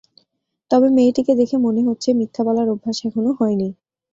তবে মেয়েটিকে দেখে মনে হচ্ছে মিথ্যা বলার অভ্যাস এখনো হয় নি।